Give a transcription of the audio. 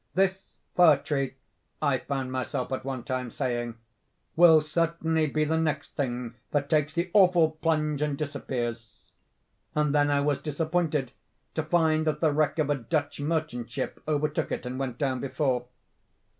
'This fir tree,' I found myself at one time saying, 'will certainly be the next thing that takes the awful plunge and disappears,'—and then I was disappointed to find that the wreck of a Dutch merchant ship overtook it and went down before.